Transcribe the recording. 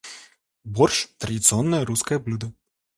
Борщ - традиционное русское блюдо.